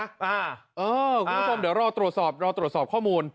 คุณผู้ชมเดี๋ยวรอตรวจสอบรอตรวจสอบข้อมูล